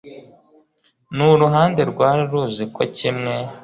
n uruhande rwari ruzi ko kimwe